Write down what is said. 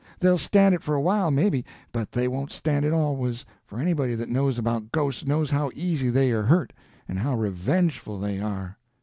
They'll stand it for a while, maybe, but they won't stand it always, for anybody that knows about ghosts knows how easy they are hurt, and how revengeful they are.